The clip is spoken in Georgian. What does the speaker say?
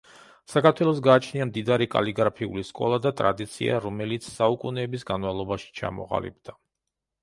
საქართველოს გააჩნია მდიდარი კალიგრაფიული სკოლა და ტრადიცია რომელიც საუკუნეების განმავლობაში ჩამოყალიბდა.